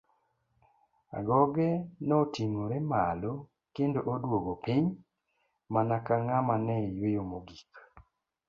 Agoge noting'ore malo kendo oduogo piny mana ka ng'ama ne yueyo mogik.